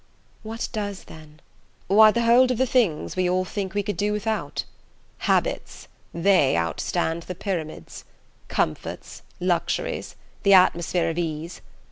"What does, then?" "Why, the hold of the things we all think we could do without. Habits they outstand the Pyramids. Comforts, luxuries, the atmosphere of ease...